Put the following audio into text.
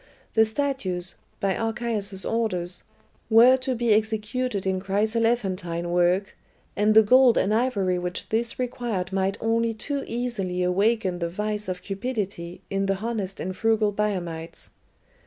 The statues, by Archias's orders, were to be executed in chryselephantine work, and the gold and ivory which this required might only too easily awaken the vice of cupidity in the honest and frugal Biamites.